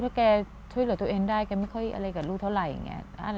ถ้าแกช่วยเหลือตัวเองได้แกไม่ค่อยอะไรกับลูกเท่าไหร่